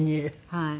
はい。